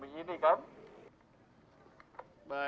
mas delry ya ampun mas